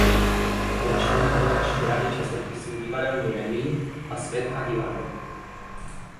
Byl členem redakční rady časopisů "Divadelní revue" a "Svět a divadlo".